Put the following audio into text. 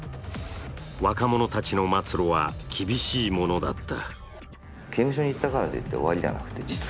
若者たちの末路は厳しいものだった。